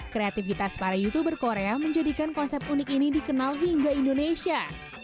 kreativitas para youtuber korea menjadikan konsep unik ini dikenal hingga indonesia